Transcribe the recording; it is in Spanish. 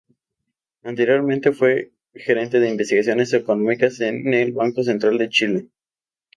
Anteriormente, fue gerente de Investigaciones Económicas en el Banco Central de Chile.